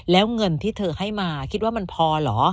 แล้วเงินที่เธอให้มาคิดว่ามันพอเหรอ